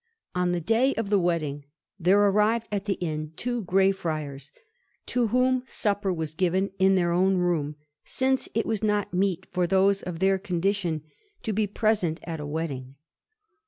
On the day of the wedding there arrived at the inn two Grey Friars, to whom supper was given in their own room, since it was not meet for those of their condition to be present at a wedding.